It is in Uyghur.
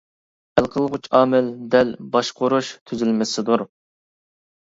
ھەل قىلغۇچ ئامىل دەل باشقۇرۇش تۈزۈلمىسىدۇر.